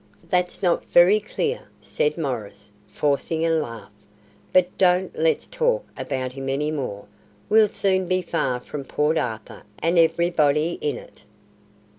"That's not very clear," said Maurice, forcing a laugh, "but don't let's talk about him any more. We'll soon be far from Port Arthur and everybody in it."